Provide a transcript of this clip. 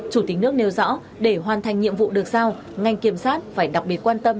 chủ tịch nước nêu rõ để hoàn thành nhiệm vụ được sao ngành kiểm sát phải đặc biệt quan tâm